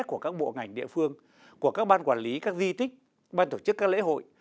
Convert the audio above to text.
của các bộ ngành địa phương của các ban quản lý các di tích ban tổ chức các lễ hội